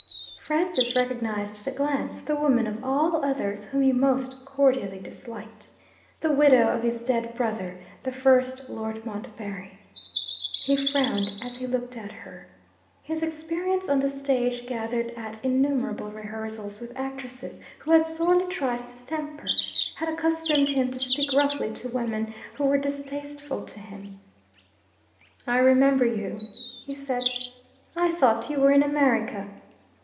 Francis recognised at a glance the woman of all others whom he most cordially disliked the widow of his dead brother, the first Lord Montbarry. He frowned as he looked at her. His experience on the stage, gathered at innumerable rehearsals with actresses who had sorely tried his temper, had accustomed him to speak roughly to women who were distasteful to him. 'I remember you,' he said. 'I thought you were in America!'